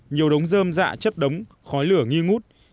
nhiều đống dơm dạ chất đống khói lửa nghi ngút